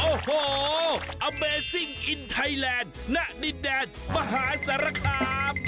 โอ้โหอเมซิ่งอินไทยแลนด์ณดินแดนมหาสารคาม